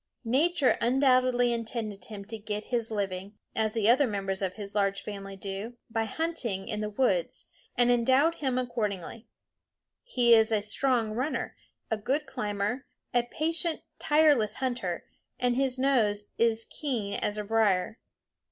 Nature undoubtedly intended him to get his living, as the other members of his large family do, by hunting in the woods, and endowed him accordingly. He is a strong runner, a good climber, a patient tireless hunter, and his nose is keen as a brier.